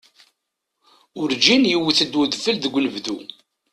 Urǧin yewwet-d udfel deg unebdu.